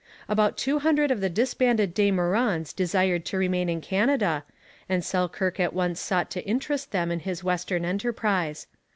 About two hundred of the disbanded De Meurons desired to remain in Canada, and Selkirk at once sought to interest them in his western enterprise.